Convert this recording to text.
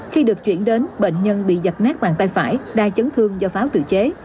khi được chuyển đến bệnh nhân bị giặt nát bàn tay phải đai chấn thương do pháo tự chế